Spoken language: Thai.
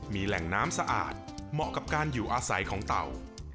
มีแหล่งน้ำสะอาดเหมาะกับการอยู่อาศัยของเต่า